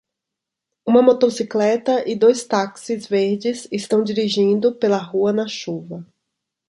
Uma motocicleta e dois táxis verdes estão dirigindo pela rua na chuva.